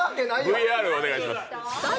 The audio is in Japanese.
ＶＡＲをお願いします。